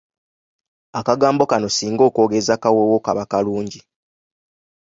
Akagambo kano singa okoogeza kawoowo kaba kalungi.